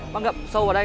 bác ngậm sâu vào đây